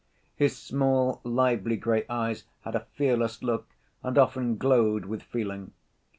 His small, lively gray eyes had a fearless look, and often glowed with feeling.